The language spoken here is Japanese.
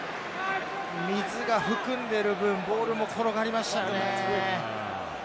水を含んでいる分、ボールも転がりましたよね。